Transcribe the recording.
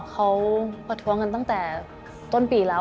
เขาประท้วงกันตั้งแต่ต้นปีแล้ว